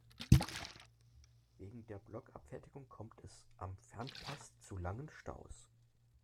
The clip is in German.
Wegen der Blockabfertigung kommt es am Fernpass zu langen Staus.